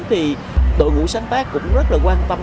thì đội ngũ sáng tác cũng rất là quan tâm